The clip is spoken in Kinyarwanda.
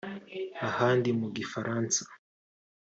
ahandi mu gifaransa